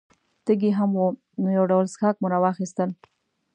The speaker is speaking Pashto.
تږي هم وو، نو یو ډول څښاک مو را واخیستل.